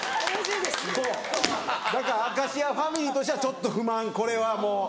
だから明石家ファミリーとしてはちょっと不満これはもう。